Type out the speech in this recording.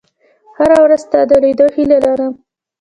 • هره ورځ ستا د لیدو هیله لرم.